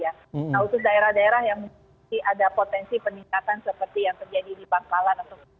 nah untuk daerah daerah yang mungkin ada potensi peningkatan seperti yang terjadi di bangkalan